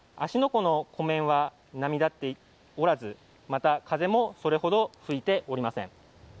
湖の湖面は波だっておらず、また風もそれほど吹いておりません。